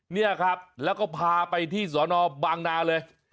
นี่ครับแล้วก็พาไปที่สอนอบางนาเลย